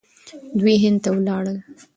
دوی هند ته ولاړل.